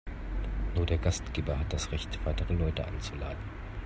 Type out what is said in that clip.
Nur der Gastgeber hat das Recht, weitere Leute einzuladen.